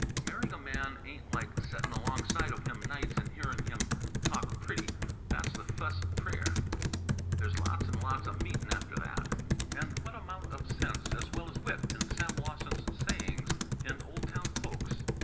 "Marryin' a man ain't like settin' alongside of him nights and hearin' him talk pretty; that's the fust prayer. There's lots an' lots o' meetin' after that!" And what an amount of sense, as well as wit, in Sam Lawson's sayings in "Old Town Folks."